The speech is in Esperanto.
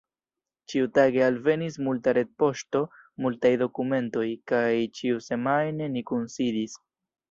Ĉiutage alvenis multa retpoŝto, multaj dokumentoj, kaj ĉiusemajne ni kunsidis.